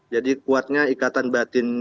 jadi kuatnya ikatan batin